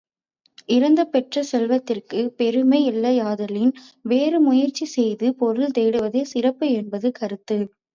இரந்து பெற்ற செல்வத்திற்குப் பெருமை இல்லையாதலின், வேறு முயற்சி செய்து பொருள் தேடுவதே சிறப்பு என்பது கருத்து.